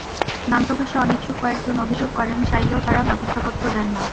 নাম প্রকাশে অনিচ্ছুক কয়েকজন অভিযোগ করেন, চাইলেও তাঁরা ব্যবস্থাপত্র দেন না।